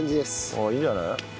ああいいんじゃない？